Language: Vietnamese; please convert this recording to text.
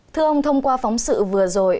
thưa ông thông qua phóng sự vừa rồi